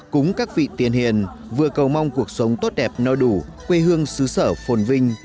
cúng các vị tiền hiền vừa cầu mong cuộc sống tốt đẹp no đủ quê hương xứ sở phồn vinh